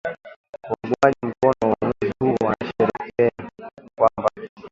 Waungaji mkono uwamuzi huo wanasherehekea kwamba